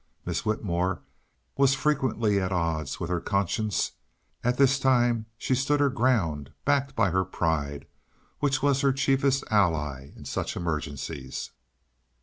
Miss Whitmore was frequently at odds with her conscience; at this time she stood her ground, backed by her pride, which was her chiefest ally in such emergencies.